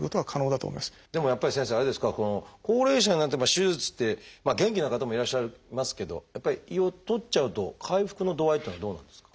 でもやっぱり先生あれですか高齢者になって手術ってまあ元気な方もいらっしゃいますけどやっぱり胃を取っちゃうと回復の度合いっていうのはどうなんですか？